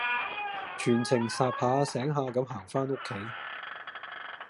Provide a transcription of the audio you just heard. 全程恰下醒下咁行返屋企